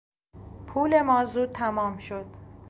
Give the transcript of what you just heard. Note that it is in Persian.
پول ما زود تمام شد.